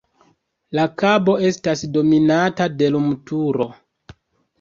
La kabo estas dominata de lumturo.